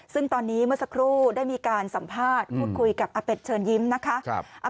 ซึ่งตอนนี้เมื่อสักครู่ได้มีการสัมภาษณ์พูดคุยกับอาเป็ดเชิญยิ้มนะคะ